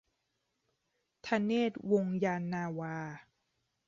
ธเนศ วงศ์ยานนาว